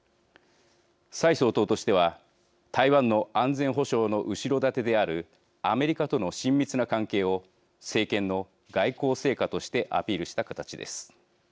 蔡総統としては台湾の安全保障の後ろ盾であるアメリカとの親密な関係を政権の外交成果としてアピールした形です。